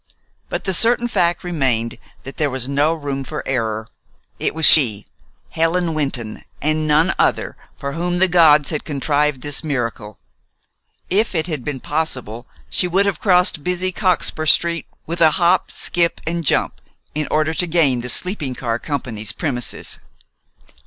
But the certain fact remained that there was no room for error. It was she, Helen Wynton, and none other, for whom the gods had contrived this miracle. If it had been possible, she would have crossed busy Cockspur st. with a hop, skip, and a jump in order to gain the sleeping car company's premises.